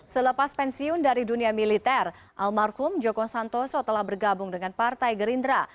selepas pensiun dari dunia militer almarhum joko santoso telah bergabung dengan partai gerindra